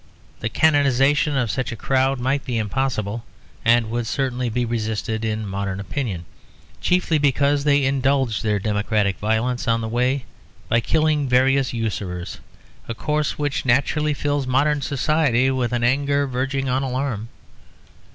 The canonisation of such a crowd might be impossible, and would certainly be resisted in modern opinion; chiefly because they indulged their democratic violence on the way by killing various usurers; a course which naturally fills modern society with an anger verging on alarm.